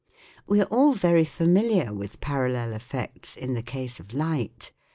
We are all very familiar with parallel effects in the case of light.